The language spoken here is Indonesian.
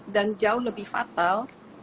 dan jauh lebih fatal